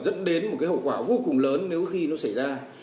dẫn đến một cái hậu quả vô cùng lớn nếu khi nó xảy ra